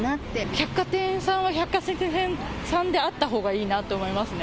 百貨店さんは百貨店さんであったほうがいいなと思いますね。